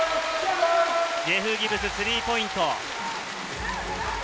ジェフ・ギブスがスリーポイント。